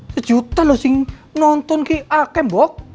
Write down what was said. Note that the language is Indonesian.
sejuta lo yang nonton di akam bok